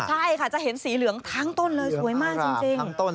ใช่ค่ะจะเห็นสีเหลืองทั้งต้นเลยสวยมากจริง